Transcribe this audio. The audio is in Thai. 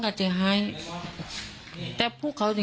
ไม่รู้จริงว่าเกิดอะไรขึ้น